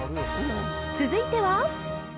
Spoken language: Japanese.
続いては。